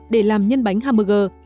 để làm nhân bánh hamburger